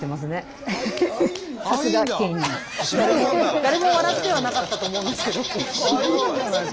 誰も笑ってはなかったと思うんですけど。